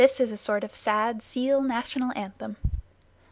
It is a sort of very sad seal National Anthem.